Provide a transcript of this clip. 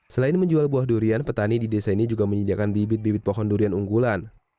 selain menjual buah durian petani di desa ini juga menyediakan bibit bibit pohon durian unggulan